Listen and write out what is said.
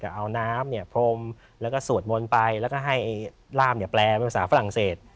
เอาน้ำเนี่ยพรมแล้วก็สวดมนต์ไปแล้วก็ให้ร่ามแปลเป็นภาษาฝรั่งเศส